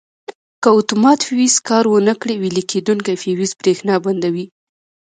که اتومات فیوز کار ور نه کړي ویلې کېدونکی فیوز برېښنا بندوي.